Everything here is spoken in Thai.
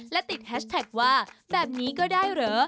และติดแฮชแท็กว่าแบบนี้ก็ได้เหรอ